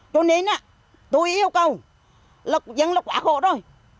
cho nên tôi yêu cầu dân là quá khổ rồi